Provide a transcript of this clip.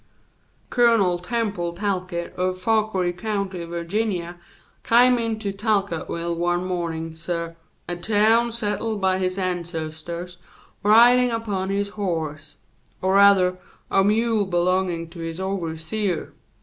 "Coloner Temple Talcott of F'okeer County, Virginia, came into Talcottville one mornin', suh, a town settled by his ancestors, ridin' upon his horse or rather a mule belongin' to his overseer.